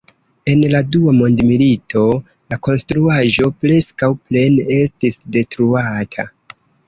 En la Dua Mondmilito la konstruaĵo preskaŭ plene estis detruata.